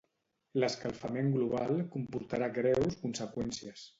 L'escalfament global comportarà greus conseqüències.